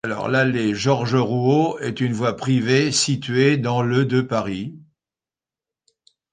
L'allée Georges-Rouault est une voie privée située dans le de Paris.